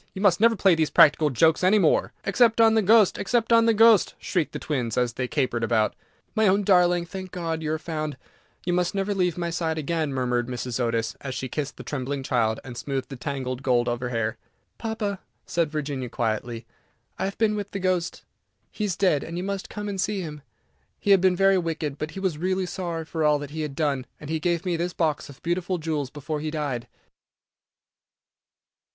You must never play these practical jokes any more." "Except on the Ghost! except on the Ghost!" shrieked the twins, as they capered about. "My own darling, thank God you are found; you must never leave my side again," murmured Mrs. Otis, as she kissed the trembling child, and smoothed the tangled gold of her hair. "Papa," said Virginia, quietly, "I have been with the Ghost. He is dead, and you must come and see him. He had been very wicked, but he was really sorry for all that he had done, and he gave me this box of beautiful jewels before he died."